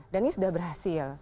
dan ini sudah berhasil